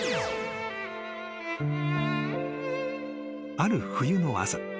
［ある冬の朝］